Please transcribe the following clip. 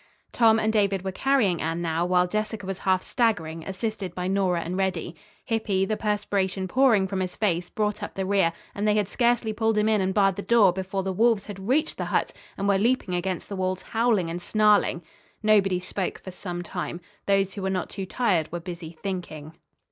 Tom and David were carrying Anne now, while Jessica was half staggering, assisted by Nora and Reddy. Hippy, the perspiration pouring from his face, brought up the rear, and they had scarcely pulled him in and barred the door before the wolves had reached the hut and were leaping against the walls howling and snarling. Nobody spoke for some time. Those who were not too tired were busy thinking.